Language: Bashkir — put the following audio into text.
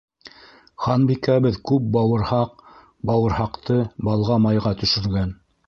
Ханбикәбеҙ күп бауырһаҡ, Бауырһаҡты балға-майға төшөргән.